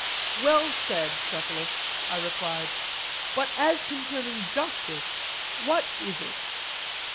Well said, Cephalus, I replied; but as concerning justice, what is it?